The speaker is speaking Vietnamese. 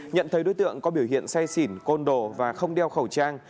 nhận thấy đối tượng có biểu hiện say xỉn côn đồ và không đeo khẩu trang